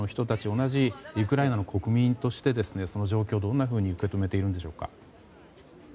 同じウクライナの国民としてその状況をどんなふうに受け止めているんでしょうか。